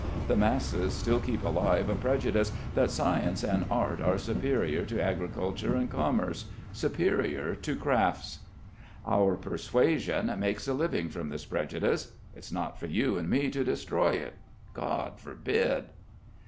The masses still keep alive a prejudice that science and art are superior to agriculture and commerce, superior to crafts. Our persuasion makes a living from this prejudice. It's not for you and me to destroy it. God forbid!"